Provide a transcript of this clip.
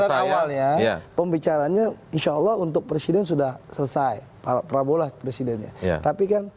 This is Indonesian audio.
awalnya pembicaranya insyaallah untuk presiden sudah selesai para prabowo presidennya tapi kan